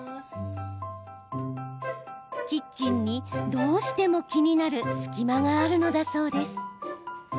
キッチンに、どうしても気になる隙間があるのだそうです。